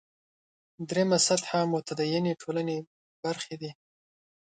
درېیمه سطح متدینې ټولنې برخې دي.